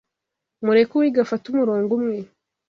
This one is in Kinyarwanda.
Mureke uwiga afate umurongo umwe